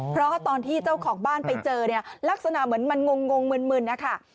เพราะตอนที่เจ้าของบ้านไปเจอเนี่ยลักษณะเหมือนมันงงมึนนะคะ